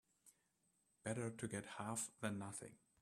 Better to get half than nothing.